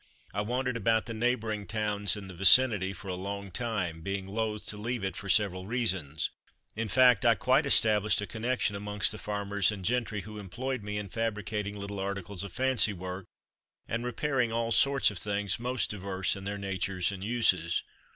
I wandered about the neighbouring towns in the vicinity for a long time, being loth to leave it for several reasons; in fact I quite established a connection amongst the farmers and gentry, who employed me in fabricating little articles of fancy work and repairing all sorts of things most diverse in their natures and uses.